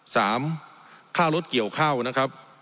สามค่ารถเกี่ยวข้าวนะครับ